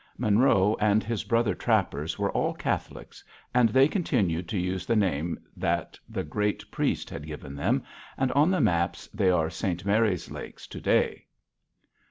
Monroe and his brother trappers were all Catholics, and they continued to use the name that the great priest had given them, and on the maps they are St. Mary's Lakes to day.